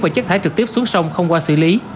và chất thải trực tiếp xuống sông không qua xử lý